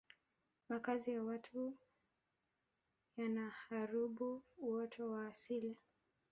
makazi ya watu yanaharubu uoto wa asili